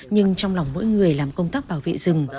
nhưng trong lòng mỗi người làm công tác bảo vệ rừng